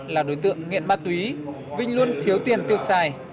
là đối tượng nghiện ma túy vinh luôn thiếu tiền tiền